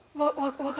分かる。